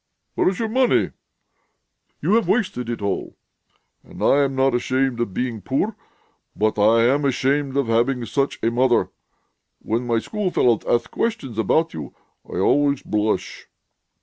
Where is your money? You have wasted it all. I am not ashamed of being poor, but I am ashamed of having such a mother.... When my schoolfellows ask questions about you, I always blush."